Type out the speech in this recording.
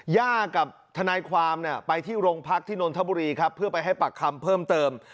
กับทนายความไปที่โรงพักที่นนทบุรีครับเพื่อไปให้ปากคำเพิ่มเติม